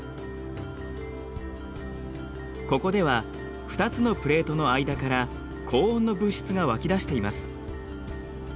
ここでは２つのプレートの間から高温の物質がわき出しています。